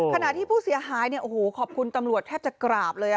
ขณะที่ผู้เสียหายขอบคุณตำรวจแทบจะกราบเลย